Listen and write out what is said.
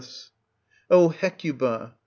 O Hecuba !